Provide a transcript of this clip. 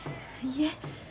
いいえ。